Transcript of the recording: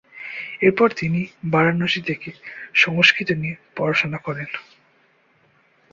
এরপর তিনি বারাণসী থেকে সংস্কৃত নিয়ে পড়াশোনা করেন।